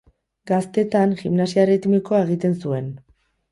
Gaztetan, gimnasia erritmikoa egiten zuen.